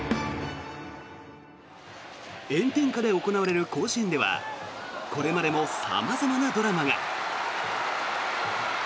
炎天下で行われる甲子園ではこれまでも様々なドラマが。